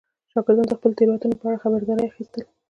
شاګردان د خپلو تېروتنو په اړه خبرداری اخیستل.